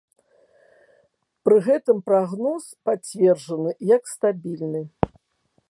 Пры гэтым прагноз пацверджаны як стабільны.